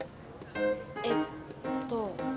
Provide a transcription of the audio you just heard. えっと。